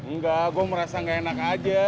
nggak gue merasa nggak enak aja